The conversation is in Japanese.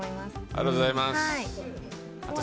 ありがとうございます！